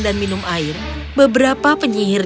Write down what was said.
dan minum air beberapa penyihir